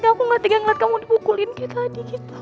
aku gak tiga ngeliat kamu dibukulin kayak tadi gitu